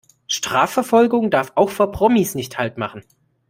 Strafverfolgung darf auch vor Promis nicht Halt machen.